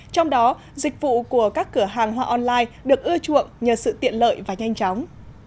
trong đó dịch vụ của các cửa hàng hoa online được ưa chuộng nhờ sự tiện lợi và nhanh chóng